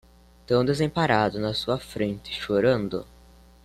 Tão desamparado na sua frente chorando